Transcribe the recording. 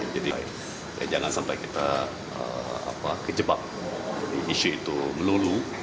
jadi jangan sampai kita kejebak di isu itu melulu